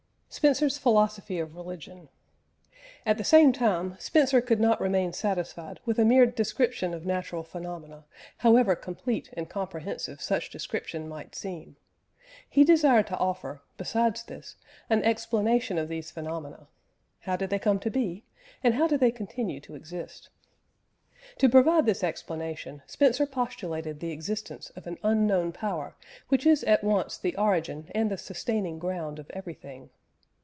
SPENCER'S PHILOSOPHY OF RELIGION. At the same time, Spencer could not remain satisfied with a mere description of natural phenomena, however complete and comprehensive such description might seem; he desired to offer, besides this, an explanation of these phenomena how did they come to be, and how do they continue to exist? To provide this explanation, Spencer postulated the existence of an Unknown Power which is at once the origin and the sustaining ground of everything.